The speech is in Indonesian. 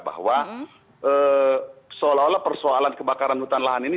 bahwa seolah olah persoalan kebakaran hutan lahan ini